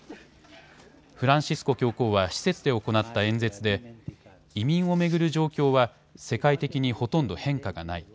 フランシスコ教皇は施設で行った演説で移民を巡る状況は世界的にほとんど変化がない。